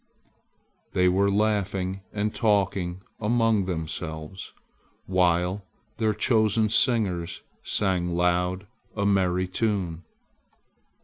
They were laughing and talking among themselves while their chosen singers sang loud a merry tune.